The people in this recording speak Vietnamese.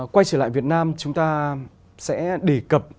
quay trở lại việt nam chúng ta sẽ đề cập